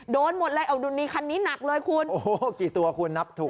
โดนหมดเลยเอาดูนี่คันนี้หนักเลยคุณโอ้โหกี่ตัวคุณนับถูก